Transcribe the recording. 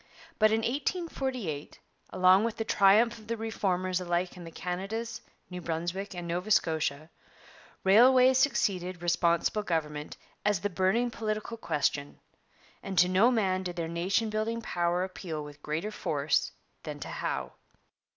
But in 1848, along with the triumph of the Reformers alike in the Canadas, New Brunswick, and Nova Scotia, railways succeeded Responsible Government as the burning political question, and to no man did their nation building power appeal with greater force than to Howe.